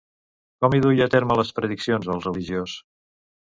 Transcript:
Com hi duia a terme les prediccions el religiós?